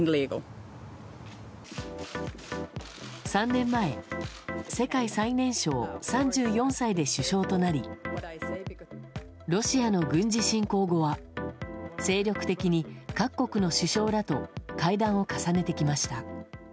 ３年前、世界最年少３４歳で首相となりロシアの軍事侵攻後は精力的に各国の首相らと会談を重ねてきました。